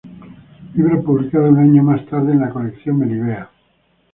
Libro publicado un año más tarde en la Colección Melibea.